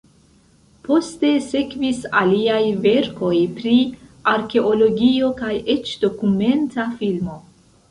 Poste sekvis aliaj verkoj pri arkeologio kaj eĉ dokumenta filmo.